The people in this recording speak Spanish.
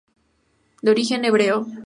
De origen hebreo.